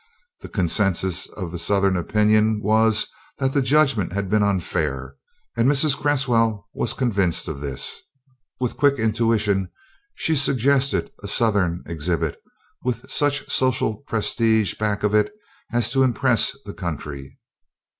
The concensus of Southern opinion was that the judgment had been unfair, and Mrs. Cresswell was convinced of this. With quick intuition she suggested a Southern exhibit with such social prestige back of it as to impress the country.